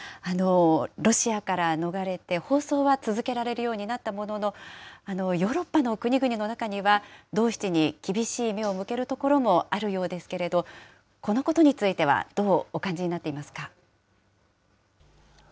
ロシアから逃れて、放送は続けられるようになったものの、ヨーロッパの国々の中には、ドーシチに厳しい目を向けるところもあるようですけれど、このことについては、どうお感じになっていますか。